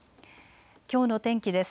きょうの天気です。